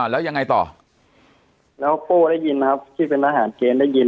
แล้วยังไงต่อแล้วโป้ได้ยินไหมครับที่เป็นทหารเกณฑ์ได้ยิน